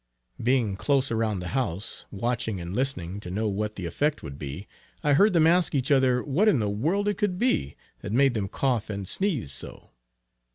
Being close around the house, watching and listening, to know what the effect would be, I heard them ask each other what in the world it could be, that made them cough and sneeze so.